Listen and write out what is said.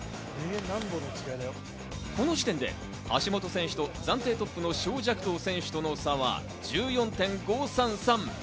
この時点で橋本選手と暫定トップのショウ・ジャクトウ選手との差は１４．５３３。